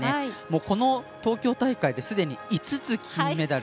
この東京大会ですでに５つ金メダル。